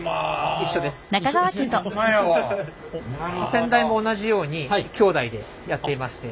先代も同じように兄弟でやっていまして。